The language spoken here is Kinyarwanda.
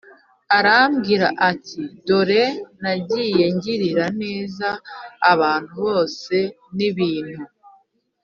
aramubwira ati Dore nagiye ngirira neza abantu bose n ibintu